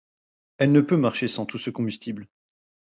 Elle ne peut marcher sans tout ce combustible.